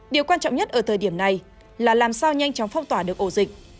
điều quan trọng nhất ở thời điểm này là làm sao nhanh chóng phong tỏa được ổ dịch